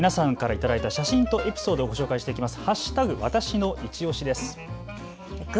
では続いて皆さんから頂いた写真とエピソードをご紹介していきます。